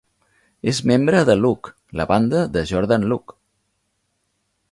És membre de Luck, la banda de Jordan Luck.